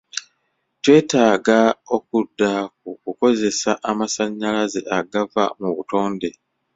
Twetaaga okudda ku kukozesa amasanyalaze agava mu butonde.